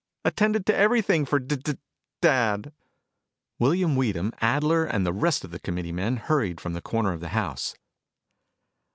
Attended to everything for D d dad." William Weedham, Adler, and the rest of the committee men hurried from the corner of the house.